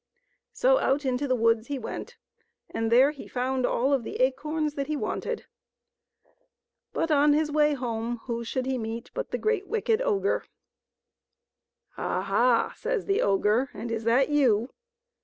So out into the woods he went, and there he found all of the acorns that he wanted. But, on his way home, whom should he meet but the great, wicked ogre. " Aha !" says the ogre, " and is that you